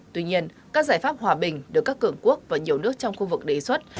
tuy nhiên các giải pháp hòa bình được các cường quốc và nhiều nước trong khu vực đề xuất